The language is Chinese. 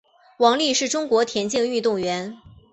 王丽是中国田径运动员。